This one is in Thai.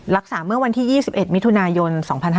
รักษาเมื่อวันที่๒๑มิถุนายน๒๕๕๙